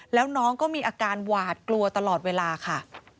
แล้วน้องก็มีอาการหวาดกลัวตลอดเวลาค่ะ